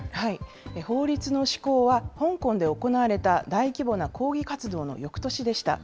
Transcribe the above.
法律の施行は香港で行われた大規模な抗議活動の翌年でした。